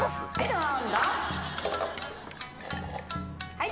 はい。